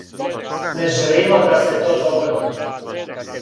Не желимо да се то догоди.